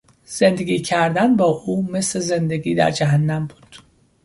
زندگی کردن با او مثل زندگی در جهنم بود.